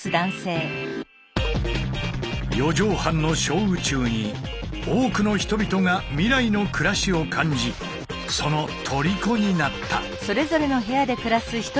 四畳半の小宇宙に多くの人々が未来の暮らしを感じそのとりこになった。